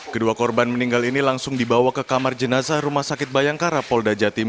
kedua korban meninggal ini langsung dibawa ke kamar jenazah rumah sakit bayangkara polda jatim